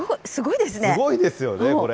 すごいですよね、これ。